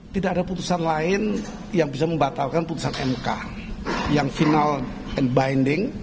tidak ada putusan lain yang bisa membatalkan putusan mk yang final and binding